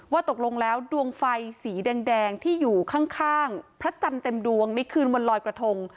ตกลงแล้วดวงไฟสีแดงที่อยู่ข้างพระจันทร์เต็มดวงในคืนวันลอยกระทง